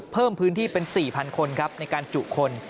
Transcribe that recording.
เพิ่มพื้นที่เป็น๔๐๐คนครับในการจุคน